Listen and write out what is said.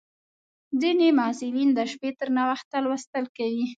ځینې محصلین د شپې تر ناوخته لوستل کوي.